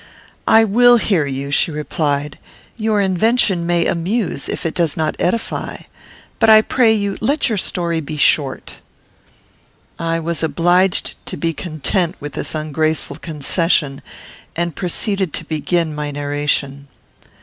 "I will hear you," she replied. "Your invention may amuse if it does not edify. But, I pray you, let your story be short." I was obliged to be content with this ungraceful concession, and proceeded to begin my narration.